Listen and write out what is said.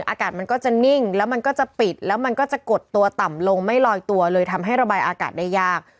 อากาศมันก็จะนิ่งแล้วมันก็จะปิดแล้วมันก็จะกดตัวต่ำลงไม่ลอยตัวเลยทำให้ระบายอากาศได้ยาก